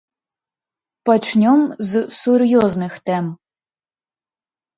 Пачнём з сур'ёзных тэм.